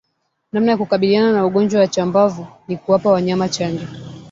Namna ya kukabiliana na ugonjwa wa chambavu ni kuwapa wanyama chanjo